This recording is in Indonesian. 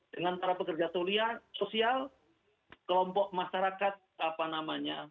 dengan para pekerja tulia sosial kelompok masyarakat apa namanya